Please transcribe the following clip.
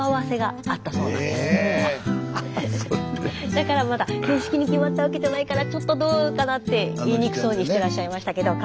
だからまだ正式に決まったわけじゃないからちょっとどうかなって言いにくそうにしてらっしゃいましたけど顔合わせもうまくいって。